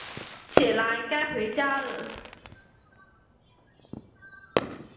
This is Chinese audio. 起来，该回家了